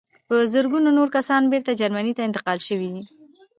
په زرګونه نور کسان بېرته جرمني ته انتقال شوي دي